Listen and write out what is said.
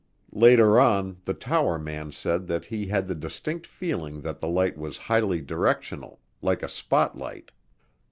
Later on the tower man said that he had the distinct feeling that the light was highly directional, like a spotlight.